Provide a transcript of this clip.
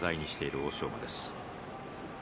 欧勝馬です。